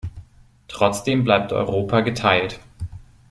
Trotzdem bleibt Europa geteilt.